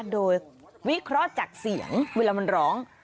โดยวิเคราะห์จากเสียงเวลามันร้อง